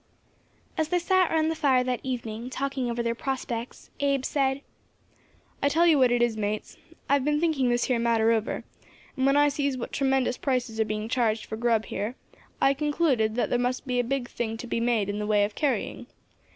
As they sat round the fire that evening, talking over their prospects, Abe said "I tell you what it is, mates, I have been thinking this here matter over, and when I sees what tremendous prices are being charged for grub here, I concluded there must be a big thing to be made in the way of carrying.